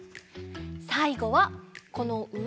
さいごはこのうえに。